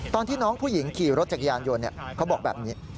ตอนที่น้องผู้หญิงขี่รถจักรยานยนต์เขาบอกแบบนี้